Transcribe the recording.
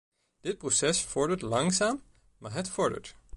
Dit proces vordert langzaam, maar het vordert.